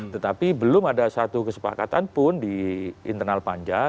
tetapi belum ada satu kesepakatan pun di internal panja